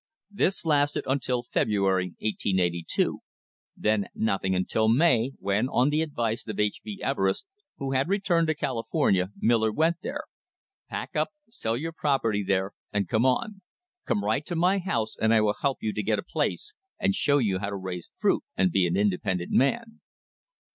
This lasted until February, 1882; then nothing until May, when, on the advice of H. B. Everest, who had returned to California, Miller went there: "Pack up, sell your property there and come on. Come right to my house and I will help you to get a place and show you how to raise fruit and be an independent man."